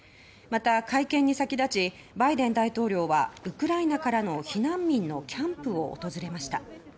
また会見に先立ちバイデン大統領はウクライナからの避難民のキャンプを訪れました。